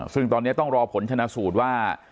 ซึ่งตอนนี้ต้องรอผลชนะสูตรว่า